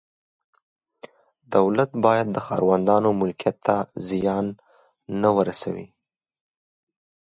دولت باید د ښاروندانو ملکیت ته زیان نه ورسوي.